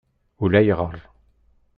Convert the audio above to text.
Ulayɣer.